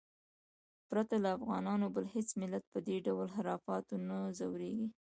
پرته له افغانانو بل هېڅ ملت په دې ډول خرافاتو نه ځورېږي.